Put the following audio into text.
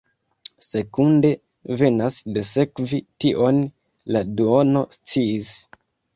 Sekunde venas de sekvi, tion la duono sciis.